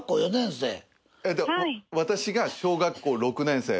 私が小学校６年生。